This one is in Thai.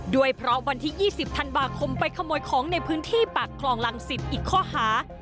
ด้วยเพราะวันที่๒๐ธันวาคมไปขโมยของในพื้นที่ปากคลองรังสิตอีกข้อหา